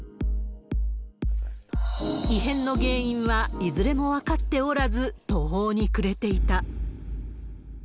異変の原因はいずれも分かっておらず、途方に暮れていた。